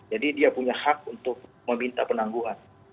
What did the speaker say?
jadi dia punya hak untuk meminta penangguhan